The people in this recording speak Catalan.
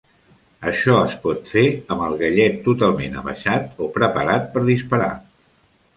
Això es pot fer amb el gallet totalment abaixat o preparat per disparar.